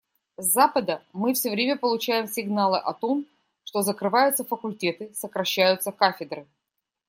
С Запада мы все время получаем сигналы о том, что закрываются факультеты, сокращаются кафедры.